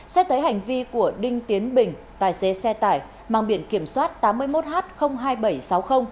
xét thấy hành vi của đinh tiến bình tài xế xe tải mang biển kiểm soát tám mươi một h hai nghìn bảy trăm sáu mươi